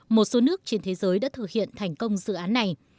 một số nước trên thế giới đã thực hiện thành công dự án này